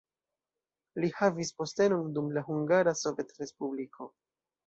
Li havis postenon dum la Hungara Sovetrespubliko.